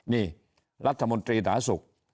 นี่รัฐมนตรีหนาสุข